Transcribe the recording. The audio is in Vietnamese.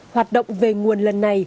hoạt động về nguồn lần này